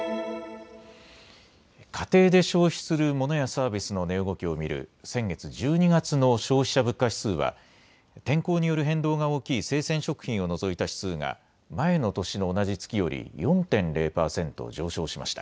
家庭で消費するモノやサービスの値動きを見る先月、１２月の消費者物価指数は天候による変動が大きい生鮮食品を除いた指数が前の年の同じ月より４．０％上昇しました。